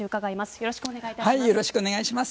よろしくお願いします。